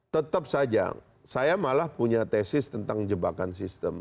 tetap saja saya malah punya tesis tentang jebakan sistem